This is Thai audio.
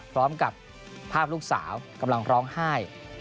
พร้อมกับภาพลูกสาวกำลังร้องไห้